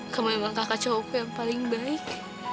kamu emang kakak cowoku yang paling baik